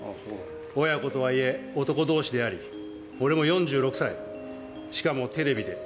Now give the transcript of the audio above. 親子とはいえ、男どうしであり、俺も４６歳、しかもテレビで。